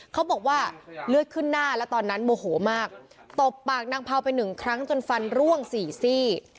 เขาบอกว่าเลือดขึ้นหน้าแล้วตอนนั้นโมโหมากตบปากนางเผาไปหนึ่งครั้งจนฟันร่วงสี่ซี่